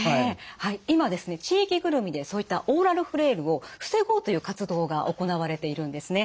はい今ですね地域ぐるみでそういったオーラルフレイルを防ごうという活動が行われているんですね。